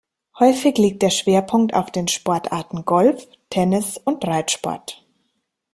Häufig liegt der Schwerpunkt auf den Sportarten Golf, Tennis und Reitsport.